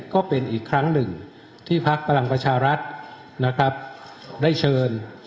ก็เป็นอีกครั้งหนึ่งที่พักพลังประชารัฐนะครับได้เชิญ